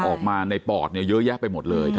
ออกมาในปอดเยอะแยะไปหมดเลย